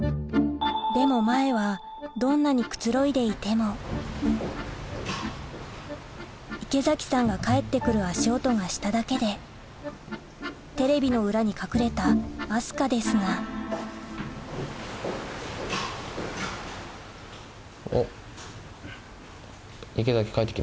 でも前はどんなにくつろいでいても池崎さんが帰って来る足音がしただけでテレビの裏に隠れた明日香ですがおっ。